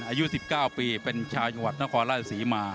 อายุ๑๙ปีเป็นชาวจังหวัดนครราชศรีมา